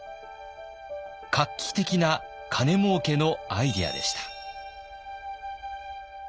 画期的な金もうけのアイデアでした。